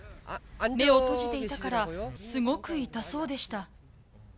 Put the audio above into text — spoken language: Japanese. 目を閉じていたからすごく痛そうでした。